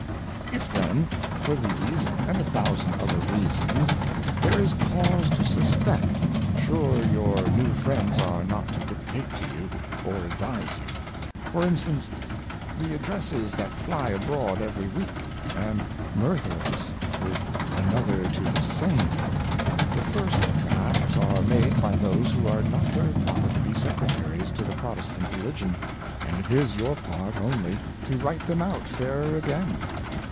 If then for these and a thousand other Reasons, there is cause to suspect, sure your new Friends are not to dictate to you, or advise you ; for instance. The Addresses that fly abroad every Week, and Murther us with Another to the same ; the first Draughts are made by those who are not very proper to be Secretaries to the Protestant Religion : and it is your part only to Write them out fairer again.